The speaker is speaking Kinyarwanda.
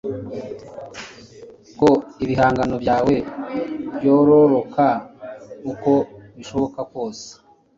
ko ibihangano byawe byororoka uko bishoboka kose